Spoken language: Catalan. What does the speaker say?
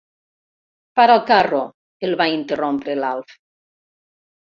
Para el carro —el va interrompre l'Alf—.